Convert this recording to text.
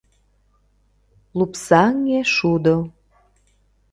Лупсаҥе шудо.